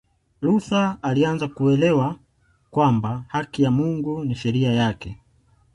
Luther alianza kuelewa kwamba haki ya Mungu si sheria yake